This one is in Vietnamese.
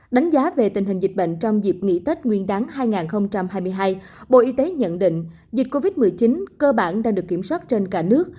đánh giá về tình hình dịch bệnh trong dịp nghỉ tết nguyên đáng hai nghìn hai mươi hai bộ y tế nhận định dịch covid một mươi chín cơ bản đã được kiểm soát trên cả nước